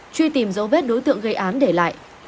truy tìm dấu vết đối tượng gây án để lại